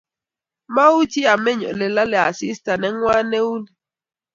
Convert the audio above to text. Mauchi ameny olelalee asista nengwan neu nii